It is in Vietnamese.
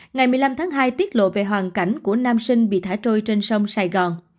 ngày một mươi năm tháng hai tiết lộ về hoàn cảnh của nam sinh bị thả trôi trên sông sài gòn